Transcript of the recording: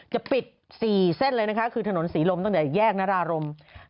จะปิด๔เส้นเลยนะคะคือถนนศรีลมตั้งแต่แยกนารารม